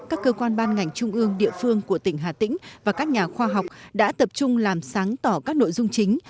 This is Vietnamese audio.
các cơ quan ban ngành trung ương địa phương của tỉnh hà tĩnh và các nhà khoa học đã tập trung làm sáng tỏ các nội dung chính